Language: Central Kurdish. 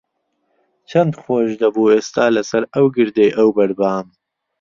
چەند خۆش دەبوو ئێستا لەسەر ئەو گردەی ئەوبەر بام.